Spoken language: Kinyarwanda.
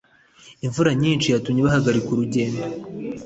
[imvura nyinshi yatumye bahagarika urugendo.